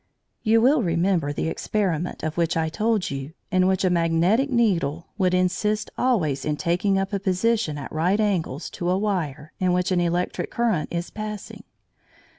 You will remember the experiment of which I told you, in which a magnetic needle would insist always in taking up a position at right angles to a wire in which an electric current is passing.